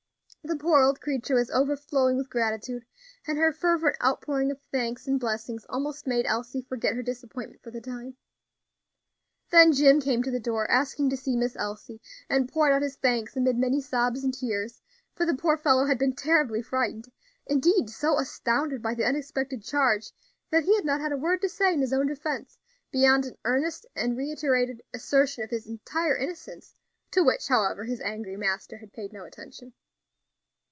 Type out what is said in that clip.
The poor old creature was overflowing with gratitude, and her fervent outpouring of thanks and blessings almost made Elsie forget her disappointment for the time. Then Jim came to the door, asking to see Miss Elsie, and poured out his thanks amid many sobs and tears; for the poor fellow had been terribly frightened indeed, so astounded by the unexpected charge, that he had not had a word to say in his own defence, beyond an earnest and reiterated assertion of his entire innocence; to which, however, his angry master had paid no attention.